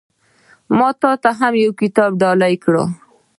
ما ته هم يو کتاب ډالۍ کړه